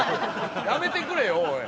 やめてくれよおい。